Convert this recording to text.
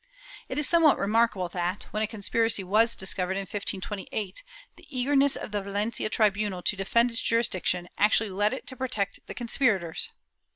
^ It is somewhat remarkable that, when a conspiracy was discovered in 1528, the eagerness of the Valencia tribunal to defend its jurisdiction actually led it to protect the conspirators.